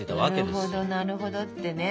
なるほどなるほどってね。